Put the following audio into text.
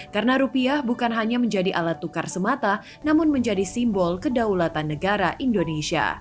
karena rupiah bukan hanya menjadi alat tukar semata namun menjadi simbol kedaulatan negara indonesia